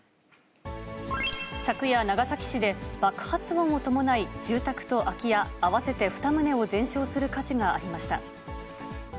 昨夜、長崎市で爆発音を伴い、住宅と空き家合わせて２棟を全焼する火事がありました。